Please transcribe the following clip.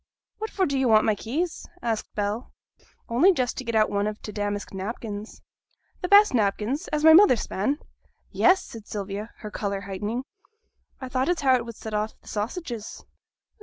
'What for do yo' want my keys?' asked Bell. 'Only just to get out one of t' damask napkins.' 'The best napkins, as my mother span?' 'Yes!' said Sylvia, her colour heightening. 'I thought as how it would set off t' sausages.'